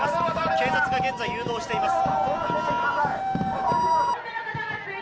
警察が現在、誘導しています。